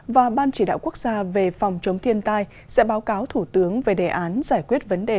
và ban chỉ đạo quốc gia về phòng chống thiên tai sẽ báo cáo thủ tướng về đề án giải quyết vấn đề